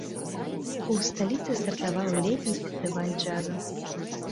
У сталіцы стартаваў летні фестываль джазу.